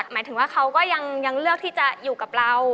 หมายถึงว่าเขาก็ยังเลือกที่จะอยู่กับเรา